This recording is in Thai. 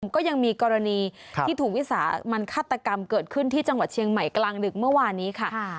ก็ยังมีกรณีที่ถูกวิสามันฆาตกรรมเกิดขึ้นที่จังหวัดเชียงใหม่กลางดึกเมื่อวานนี้ค่ะ